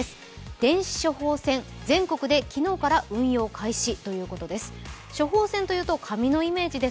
電子処方箋、全国で昨日から運用開始ということです。